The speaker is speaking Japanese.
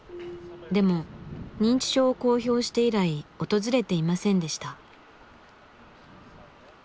でも認知症を公表して以来訪れていませんでした。